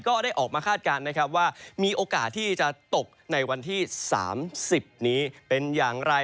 ก็ได้ออกมาคาดการณ์ว่ามีโอกาศที่จะตกในวันที่สามสิบนี้เป็นอย่างไร